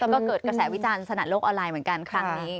แล้วก็เกิดกระแสวิจารณ์สนัดโลกออนไลน์เหมือนกันครั้งนี้